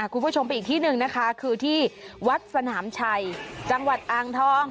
คุณผู้ชมไปอีกที่หนึ่งนะคะคือที่วัดสนามชัยจังหวัดอ่างทอง